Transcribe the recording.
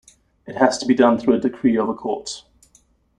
It has to be done through a decree of a court.